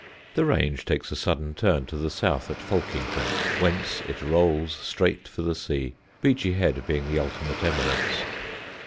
The range takes a sudden turn to the south at Folkington, whence it rolls straight for the sea, Beachy Head being the ultimate eminence.